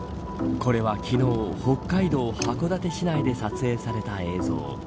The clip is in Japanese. これは、昨日北海道函館市内で撮影された映像。